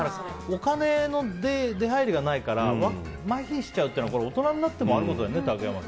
お金の出入りがないからまひしちゃうって大人になってもあることだよね。